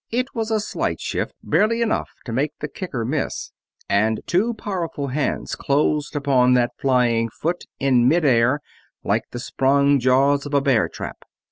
It was a slight shift, barely enough to make the kicker miss, and two powerful hands closed upon that flying foot in midair like the sprung jaws of a bear trap.